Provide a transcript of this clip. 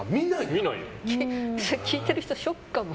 聞いてる人ショックかも。